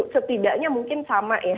setidaknya mungkin sama ya